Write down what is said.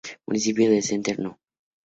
Municipio de Center No.